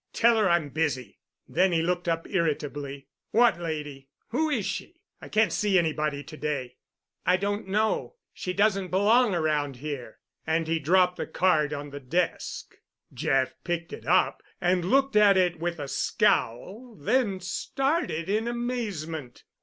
"Tell her I'm busy!" Then he looked up irritably. "What lady? Who is she? I can't see anybody to day." "I don't know. She doesn't belong around here." And he dropped the card on the desk. Jeff picked it up and looked at it with a scowl, then started in amazement.